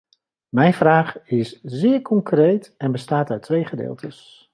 Mijn vraag is zeer concreet en bestaat uit twee gedeeltes.